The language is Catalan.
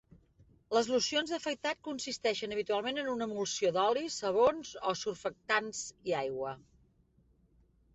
Les locions d'afaitat consisteixen habitualment en una emulsió d'olis, sabons o surfactants, i aigua.